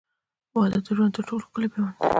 • واده د ژوند تر ټولو ښکلی پیوند دی.